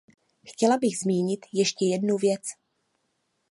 Chtěla bych zmínit ještě jednu věc.